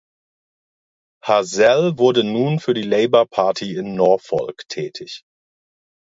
Hazell wurde nun für die Labour Party in Norfolk tätig.